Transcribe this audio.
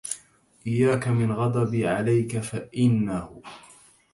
إياك من غضبي عليك فإنه